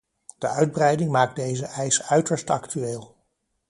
De uitbreiding maakt deze eis uiterst actueel.